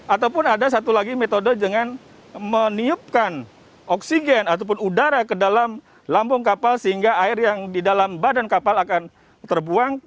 ataupun ada satu lagi metode dengan meniupkan oksigen ataupun udara ke dalam lambung kapal sehingga air yang di dalam badan kapal akan terbuang